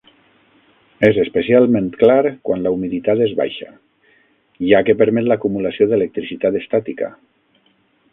És especialment clar quan la humiditat és baixa, ja que permet l'acumulació d'electricitat estàtica.